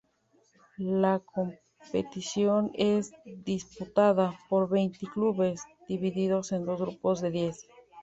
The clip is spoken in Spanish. La competición es disputada por veinte clubes, divididos en dos grupos de diez.